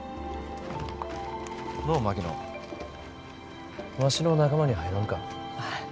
のう槙野わしの仲間に入らんか？